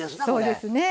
そうですね。